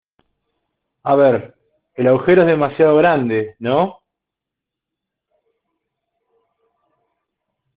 a ver, el agujero es demasiado grande ,¿ no?